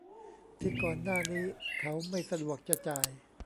ที่ก่อนหน้านี้เขาไม่สะดวกจะจ่าย